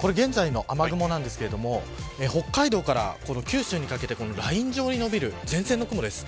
これ、現在の雨雲ですが北海道から九州にかけてライン状に伸びる前線の雲です。